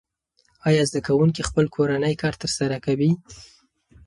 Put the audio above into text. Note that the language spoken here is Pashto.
آیا زده کوونکي خپل کورنی کار ترسره کوي؟